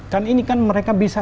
kan ini kan mereka bisa